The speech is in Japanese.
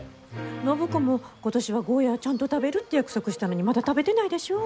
暢子も今年はゴーヤーちゃんと食べるって約束したのにまだ食べてないでしょ？